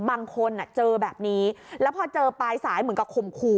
บางคนเจอแบบนี้แล้วพอเจอปลายสายเหมือนกับข่มขู่